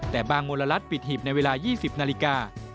แต่บางมลรัฐปิดหีบในเวลา๒๐นาฬิกา